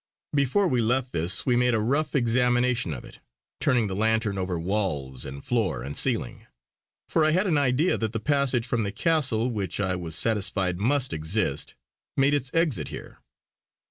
Before we left this, we made a rough examination of it, turning the lantern over walls and floor and ceiling; for I had an idea that the passage from the castle, which I was satisfied must exist, made its exit here.